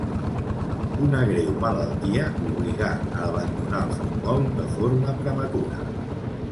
Una greu malaltia l'obligà a abandonar el futbol de forma prematura.